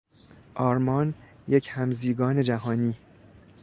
آرمان یک همزیگان جهانی